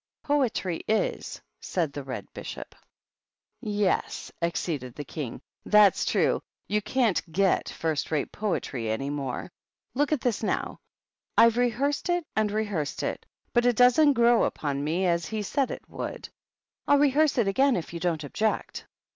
"Poetry is," said the Red Bishop. 16* 174 THE BISHOPS. "Yes," acceded the King, "that's true; you can't get first rate poetry any more. Look at this, now! I've rehearsed it and rehearsed it, but it doesnH grow upon me as he said it would. I'll rehearse it again if you don't object."